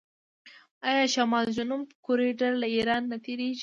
آیا شمال جنوب کوریډور له ایران نه تیریږي؟